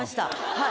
はい。